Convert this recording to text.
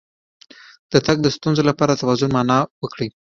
د تګ د ستونزې لپاره د توازن معاینه وکړئ